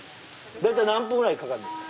大体何分ぐらいかかるんですか？